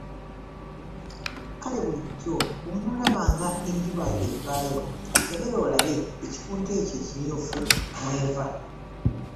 Kale bulijjo bw'onoolabanga enjuba nga evaayo, kebera olabe ekikunta ekyo ekimyufu mw'eva.